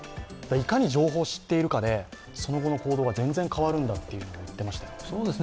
いかに情報を知っているかでその後の行動が全然変わるんだと言ってましたね。